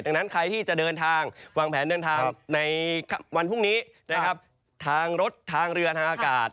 ดังนั้นใครที่จะเดินทางวางแผนเดินทางในวันพรุ่งนี้นะครับทางรถทางเรือทางอากาศ